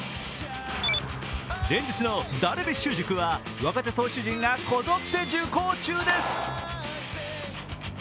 連日のダルビッシュ塾は若手投手陣がこぞって受講中です。